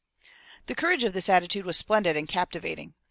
[306:1] The courage of this attitude was splendid and captivating.